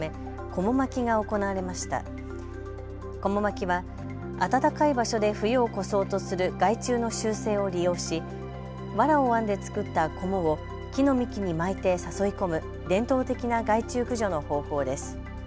こも巻きは暖かい場所で冬を越そうとする害虫の習性を利用しわらを編んで作ったこもを木の幹に巻いて誘い込む伝統的な害虫駆除の方法です。